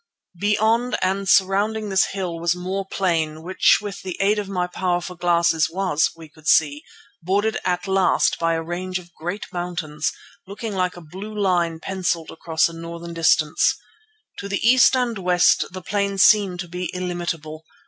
Beyond and surrounding this hill was more plain which with the aid of my powerful glasses was, we could see, bordered at last by a range of great mountains, looking like a blue line pencilled across the northern distance. To the east and west the plain seemed to be illimitable.